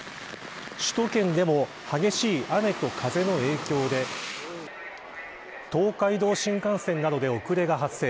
首都圏でも激しい雨と風の影響で東海道新幹線などで遅れが発生。